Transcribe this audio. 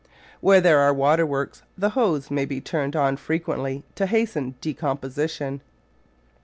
Where there are water works the hose may be turned on frequently to hasten decomposition.